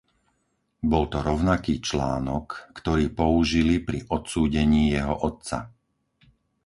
Bol to rovnaký článok, ktorý použili pri odsúdení jeho otca.